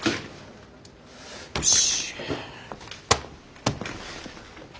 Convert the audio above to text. よし。